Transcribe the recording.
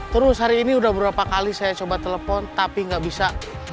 terus hari ini udah berapa kali saya coba telepon tapi gak bisa